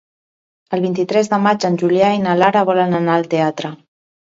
El vint-i-tres de maig en Julià i na Lara volen anar al teatre.